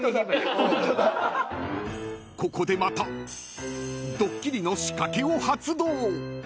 ［ここでまたドッキリの仕掛けを発動］